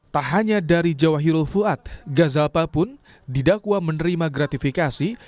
tak hanya dari jawa hirul fuad gazal pal pun didakwa menerima gratifikasi